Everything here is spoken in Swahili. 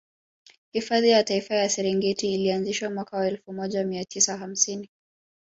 Hifadhi ya Taifa ya Serengeti ilianzishwa mwaka wa elfu moja mia tisa hamsini